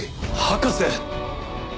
博士！